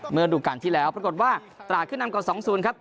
เมื่อดูกันที่แล้วปรากฏว่าตราดขึ้นอันกว่า๒๐ครับ